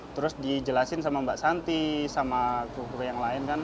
terus dijelasin sama mbak santi sama guru guru yang lain kan